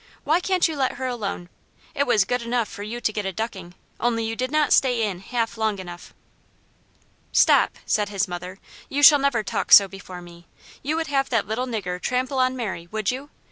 Why can't you let her alone? It was good enough for you to get a ducking, only you did not stay in half long enough." "Stop!" said his mother. "You shall never talk so before me. You would have that little nigger trample on Mary, would you?